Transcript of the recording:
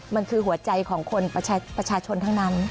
มันคือหัวใจของคนประชาชนทั้งนั้น